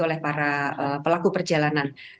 oleh para pelaku perjalanan